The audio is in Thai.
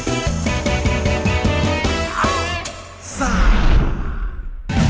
ชาดำทำไมนายกะล้อนอย่างนี้